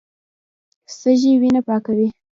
سږي وینه پاکوي.